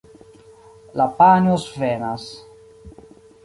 La panjo svenas.